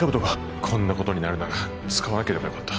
こんなことになるなら使わなければよかった